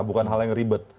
bukan hal yang ribet